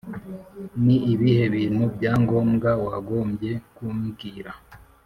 Ni ibihe bintu bya ngombwa wagombye kumbwira